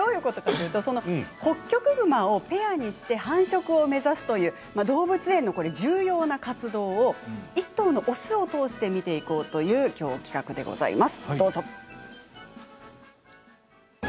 ホッキョクグマをペアにして繁殖を目指すという動物園の重要な活動を１頭の雄を通して見ていこうという企画でございます。